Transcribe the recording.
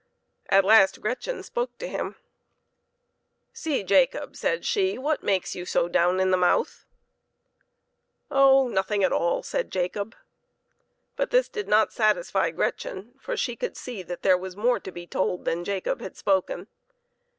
At last Gretchen spoke to him. " See, Jacob," said she, " what makes you so down in the mouth?" " Oh ! nothing at all," said Jacob, But this did not satisfy Gretchen, for she could see that there was more to be told than Jacob had spoken.